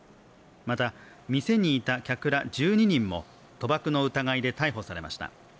また店にいた客ら１２人も賭博の疑いで逮捕されました。